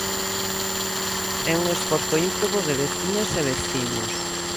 É un esforzo ímprobo de veciñas e veciños.